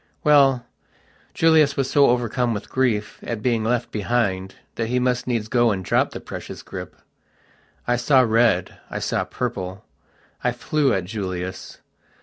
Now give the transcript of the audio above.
Well, Julius was so overcome with grief at being left behind that he must needs go and drop the precious grip. I saw red, I saw purple. I flew at Julius.